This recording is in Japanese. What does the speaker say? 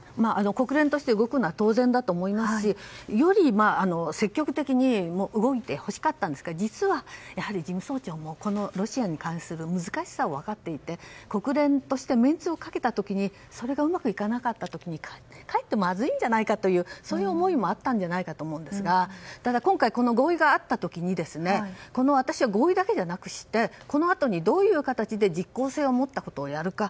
国連として動くのは当然だと思いますしより積極的に動いてほしかったんですけど実は、事務総長もロシアに関する難しさを分かっていて国連としてメンツをかけてそれがうまくいかなかった時にかえってまずいんじゃないかという思いもあったと思いますがただ今回、合意があった時に私は合意だけじゃなくしてこのあとにどういうふうにして実効性を持ったことをやるか。